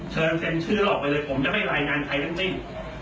เชิญเซ็นชื่อเราไปเลยผมจะไม่ไลน์งานใครจริง